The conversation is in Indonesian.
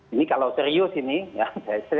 ini kalau serius ini ya